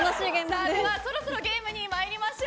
そろそろゲームにまいりましょう。